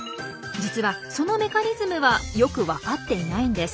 実はそのメカニズムはよくわかっていないんです。